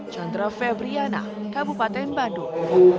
chandra febriana kabupaten bandung